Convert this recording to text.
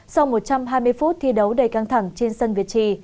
sau một trăm hai mươi phút thi đấu đầy căng thẳng trên sân việt trì